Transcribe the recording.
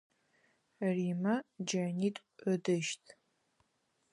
Римэ джэнитӏу ыдыщт.